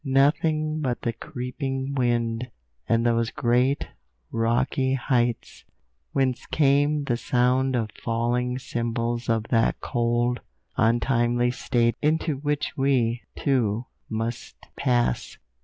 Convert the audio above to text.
Nothing but the creeping wind, and those great rocky heights, whence came the sound of falling symbols of that cold, untimely state into which we, too, must pass.